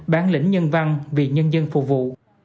bán lĩnh nhân văn vì nhân dân phục vụ